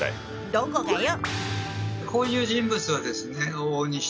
どこがよ！